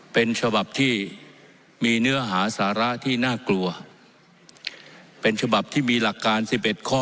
เป็นฉบับที่มีเนื้อหาสาระที่น่ากลัวเป็นฉบับที่มีหลักการ๑๑ข้อ